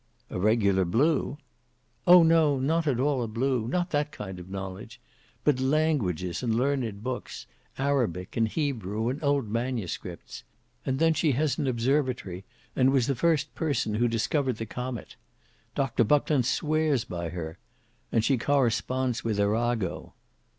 "A regular blue?" "Oh! no; not at all a blue; not that kind of knowledge. But languages and learned books; Arabic, and Hebrew, and old manuscripts. And then she has an observatory, and was the first person who discovered the comet. Dr Buckland swears by her; and she corresponds with Arago."